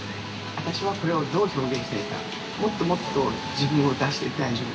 私はこれをどう表現したいか、もっともっと自分を出して大丈夫。